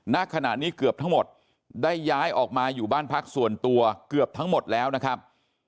ณขณะนี้เกือบทั้งหมดได้ย้ายออกมาอยู่บ้านพักส่วนตัวเกือบทั้งหมดแล้วนะครับ